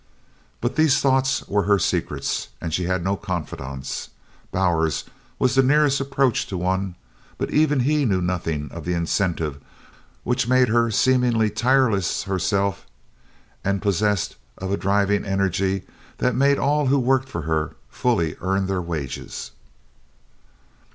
But these thoughts were her secrets and she had no confidants. Bowers was the nearest approach to one, but even he knew nothing of the incentive which made her seemingly tireless herself and possessed of a driving energy that made all who worked for her fully earn their wages.